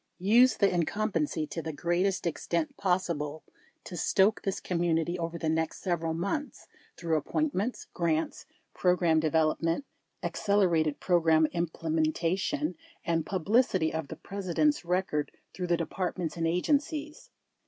374 Use the incumbency to the greatest extent possible to stroke this community over the next several months through ap pointments, grants, program development, accelerated pro gram implementation, and publicity of the President's record through the departments and agencies.